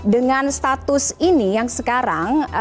dengan status ini yang sekarang